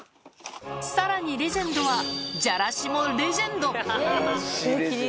さらに、レジェンドはじゃらしもレジェンド。